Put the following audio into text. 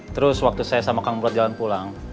terus waktu saya sama kang buat jalan pulang